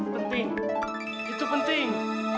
penting itu penting